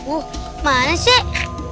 uh mana sih